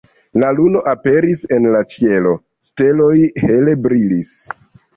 La luno aperis en la ĉielo, steloj hele brilis.